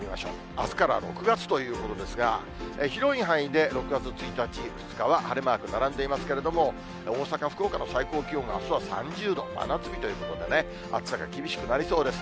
あすから６月ということですが、広い範囲で６月１日、２日は晴れマーク並んでいますけれども、大阪、福岡の最高気温があすは３０度、真夏日ということでね、暑さが厳しくなりそうです。